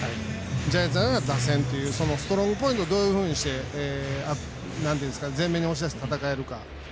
ジャイアンツなら打線というストロングポイントをどういうふうにして前面に押し出して戦えるか。